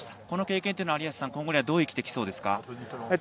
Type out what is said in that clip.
この経験というのは今後にはどう生きてきそうですか。